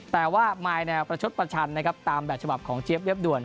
แต่ว่ามายน่าประชดประชันตามแบบฉบับของเจี๊ยบเรียบด่วน